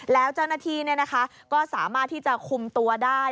แล้วเจ้าหน้าที่ก็สามารถที่จะคุมตัวได้